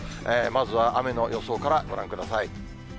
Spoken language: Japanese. まずは雨の予想からご覧ください。